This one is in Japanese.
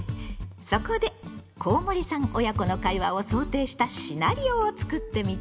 そこでコウモリさん親子の会話を想定したシナリオを作ってみたわよ。